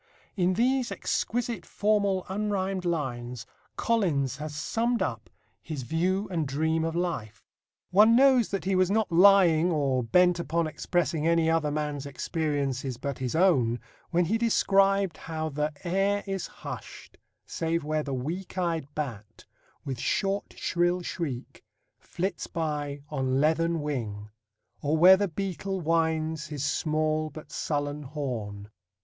In these exquisite formal unrhymed lines, Collins has summed up his view and dream of life. One knows that he was not lying or bent upon expressing any other man's experiences but his own when he described how the Air is hushed, save where the weak eyed bat, With short shrill shriek flits by on leathern wing, Or where the beetle winds His small but sullen horn.